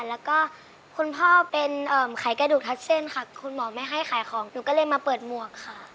แล้วก็คุณพ่อเป็นไขกระดูกทับเส้นค่ะคุณหมอไม่ให้ขายของหนูก็เลยมาเปิดหมวกค่ะ